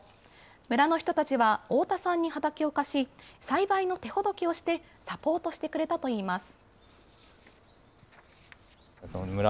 村の人たちは太田さんに畑を貸し、栽培の手ほどきをして、サポートしてくれたといいます。